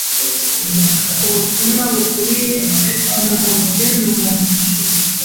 Ubutumwa bukubiye mu mugenurano,